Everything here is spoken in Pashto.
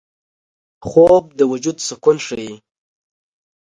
خوب د وجود سکون ښيي